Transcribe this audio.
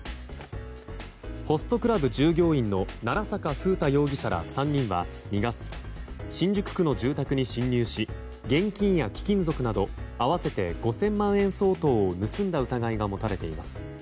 ホストクラブ従業員の奈良坂楓太容疑者ら３人は２月新宿区の住宅に侵入し現金や貴金属など合わせて５０００万円相当を盗んだ疑いが持たれています。